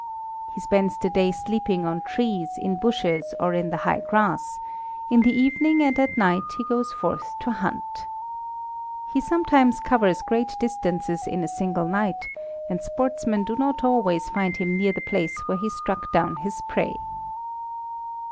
He spends the day sleeping on trees, in bushes, or in the high grass; in the evening and at night he goes forth to hunt. He sometimes covers great distances in a single night, and sportsmen do not always find him near the place where he struck down his prey.